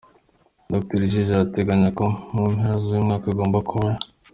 Dr Jiji arateganya ko mu mpera zuyu mwaka agomba kuba.